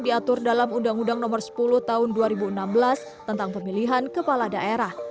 diatur dalam undang undang nomor sepuluh tahun dua ribu enam belas tentang pemilihan kepala daerah